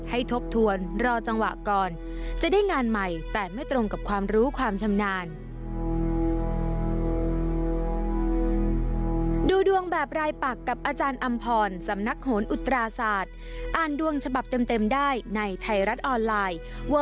ทบทวนรอจังหวะก่อนจะได้งานใหม่แต่ไม่ตรงกับความรู้ความชำนาญ